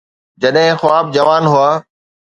جڏهن خواب جوان هئا.